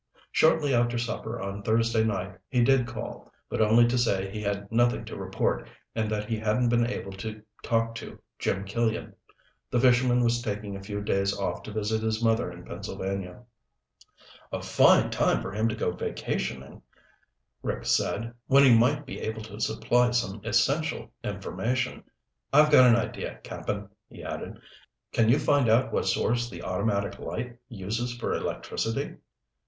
Shortly after supper on Thursday night he did call, but only to say he had nothing to report and that he hadn't been able to talk to Jim Killian. The fisherman was taking a few days off to visit his mother in Pennsylvania. "A fine time for him to go vacationing," Rick said, "when he might be able to supply some essential information. I've got an idea, Cap'n," he added. "Can you find out what source the automatic light uses for electricity?